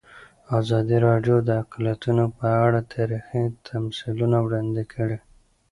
ازادي راډیو د اقلیتونه په اړه تاریخي تمثیلونه وړاندې کړي.